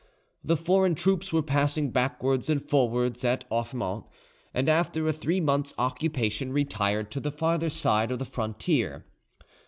The foreign troops were passing backwards and forwards at Offemont, and after a three months' occupation retired to the farther side of the frontier.